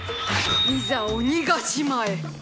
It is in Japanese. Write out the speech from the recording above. いざ鬼ヶ島へ。